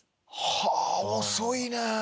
はあ遅いね。